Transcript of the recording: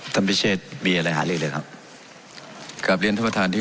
ท่านพิเชศมีอะไรหาเรื่องหนึ่งเลยครับกับเรียนทัพประธานที่